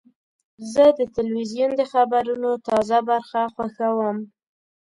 زه د تلویزیون د خبرونو تازه برخه خوښوم.